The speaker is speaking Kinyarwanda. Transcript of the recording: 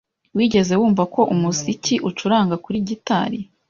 Wigeze wumva ko umuziki ucuranga kuri gitari?